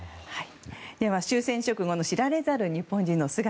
では終戦直後の知られざる日本人の姿。